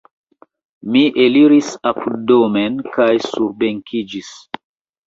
Mi eliris apuddomen kaj surbenkiĝis.